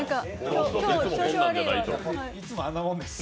いつも、あんなもんです。